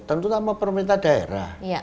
tentu sama pemerintah daerah